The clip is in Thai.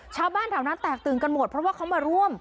ชาวบ้านแถวนั้นแตกตื่นกันหมดเพราะว่าเขามาร่วม